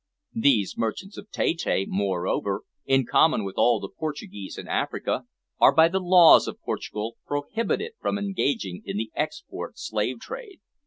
These merchants of Tette, moreover, in common with all the Portuguese in Africa, are by the laws of Portugal prohibited from engaging in the export slave trade.